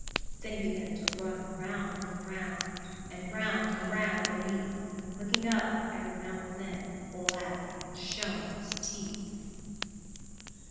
Then he began to run round and round, And round and round beneath, Looking up every now and then, Laughing and showing his teeth.